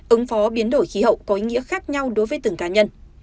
ứng phó biến đổi khí hậu có ý nghĩa khác nhau đối với từng cá nhân